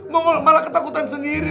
monggol malah ketakutan sendiri